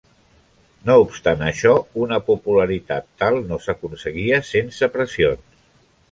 No obstant això, una popularitat tal no s'aconseguia sense pressions.